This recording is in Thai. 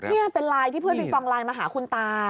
นี่เป็นไลน์ที่เพื่อนปิงปองไลน์มาหาคุณตา